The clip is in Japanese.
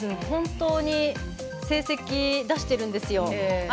本当に成績を出しているんですよ。